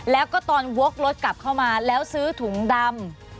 แล้วก็ตอนวกรถกลับเข้ามาแล้วซื้อถุงดำ